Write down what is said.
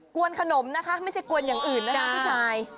วนขนมนะคะไม่ใช่กวนอย่างอื่นนะคะผู้ชาย